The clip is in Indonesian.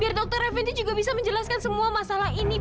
biar dokter eventy juga bisa menjelaskan semua masalah ini